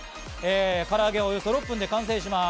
唐揚げはおよそ６分で完成します。